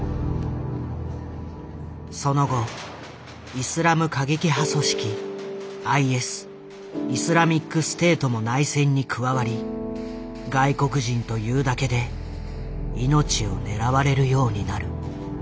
その後イスラム過激派組織ＩＳイスラミックステートも内戦に加わり外国人というだけで命を狙われるようになる。